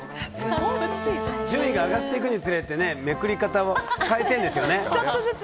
順位が上がっていくにつれてめくり方も変えてるんですよね。